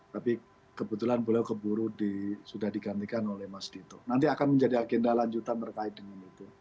tapi kebetulan beliau keburu sudah digantikan oleh mas dito nanti akan menjadi agenda lanjutan terkait dengan itu